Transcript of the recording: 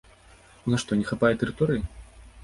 У нас што, не хапае тэрыторыі?